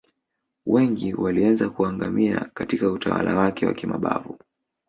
Wengi waliweza kuangamia Katika utawala wake wa kimabavu